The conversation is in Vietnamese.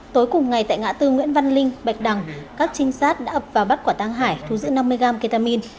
tối cùng ngày tại ngã tư nguyễn văn linh bạch đằng các trinh sát đã ập vào bắt quả tăng hải thu giữ năm mươi gram ketamin